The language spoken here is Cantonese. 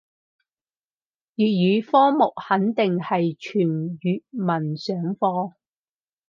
粵語科目肯定係全粵文上課